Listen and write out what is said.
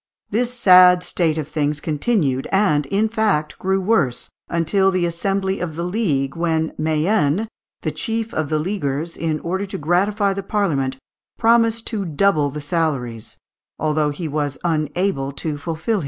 This sad state of things continued, and, in fact, grew worse, until the assembly of the League, when Mayenne, the chief of the leaguers, in order to gratify the Parliament, promised to double the salaries, although he was unable to fulfil his promise.